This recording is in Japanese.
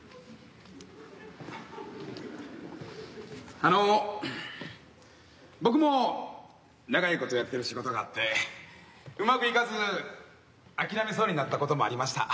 あの僕も長いことやってる仕事があってうまくいかず諦めそうになったこともありました。